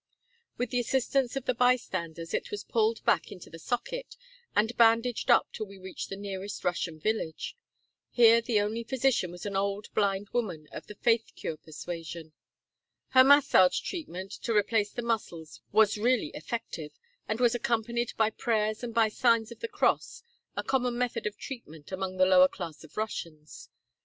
With the assistance of the bystanders it was pulled back into the socket, and bandaged up till we reached the nearest Russian village. Here the only physician was an old blind woman of the faith cure persuasion. Her massage treatment to replace the muscles was really effective, and was accompanied by prayers and by signs of the cross, a common method of treatment among the lower class of Russians.